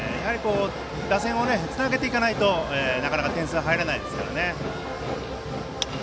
打線をつなげていかないとなかなか点数が入らないですから。